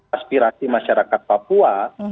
aspirasi masyarakat papua